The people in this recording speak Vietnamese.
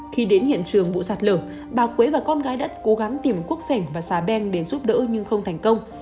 khi đến hiện trường vụ sạt lửa bà quế và con gái đất cố gắng tìm quốc sảnh và xá beng đến giúp đỡ nhưng không thành công